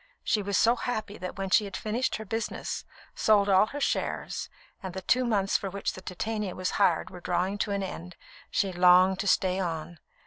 She was so happy that when she had finished her business, sold all her shares, and the two months for which the Titania was hired were drawing to an end she longed to stay on.